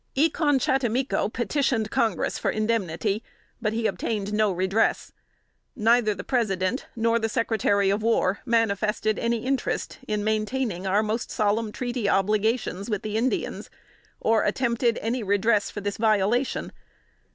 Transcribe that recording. E con chattimico petitioned Congress for indemnity, but obtained no redress. Neither the President, nor the Secretary of War, manifested any interest in maintaining our most solemn treaty obligations with the Indians, or attempted any redress for their violation.